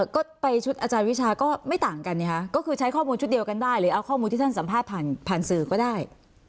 ก็ไปชุดอาจารย์วิชาก็ไม่ต่างกันนะคะก็คือใช้ข้อมูลชุดเดียวกันได้หรือเอาข้อมูลที่ท่านสัมภาษณ์ผ่านสื่อก็ได้